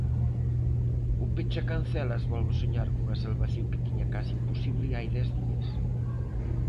O pechacancelas volve soñar cunha salvación que tiña case imposible hai dez días.